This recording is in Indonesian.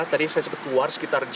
tadi saya sempat keluar